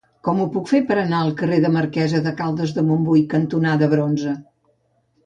Com ho puc fer per anar al carrer Marquesa de Caldes de Montbui cantonada Bronze?